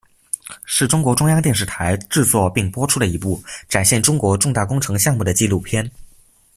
是中国中央电视台制作并播出的一部展现中国重大工程项目的纪录片。